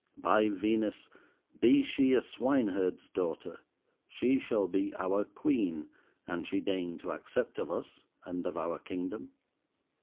By Venus, be she a swineherd's daughter, she shall be our Queen—an she deign to accept of us, and of our kingdom.